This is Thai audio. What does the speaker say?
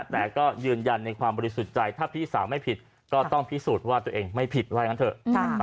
แต่ก็ยืนยันในความบริสุทธิ์ใจถ้าพี่สาวไม่ผิดก็ต้องพิสูจน์ว่าตัวเองไม่ผิดว่าอย่างนั้นเถอะ